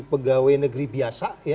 pegawai negeri biasa ya